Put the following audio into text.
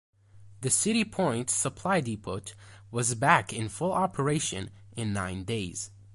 The City Point supply depot was back in full operation in nine days.